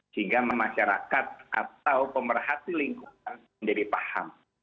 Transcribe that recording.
sehingga masyarakat atau pemerhati lingkungan menjadi paham